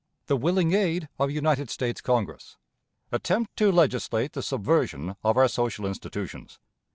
The Willing Aid of United States Congress. Attempt to legislate the Subversion of our Social Institutions.